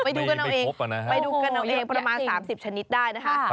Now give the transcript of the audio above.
ไปดูกันเอาเองประมาณ๓๐ชนิดได้นะคะ